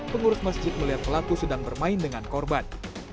pengurus masjid melihat pelaku sedang bermain dengan korban